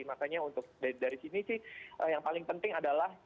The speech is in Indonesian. makanya untuk dari sini sih yang paling penting adalah